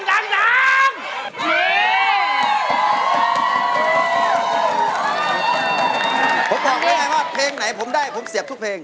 ผมบอกแบบนี้แหละว่าเพลงไหนผมได้ผมเศียบทุกเพลง